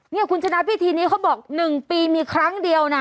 นี่คุณชนะพิธีนี้เขาบอก๑ปีมีครั้งเดียวนะ